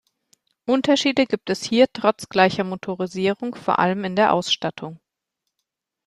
Unterschiede gibt es hier trotz gleicher Motorisierung vor allem in der Ausstattung.